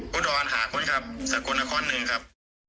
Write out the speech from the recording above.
คุณอรถาคุณครับสักคนนาคอนหนึ่งครับ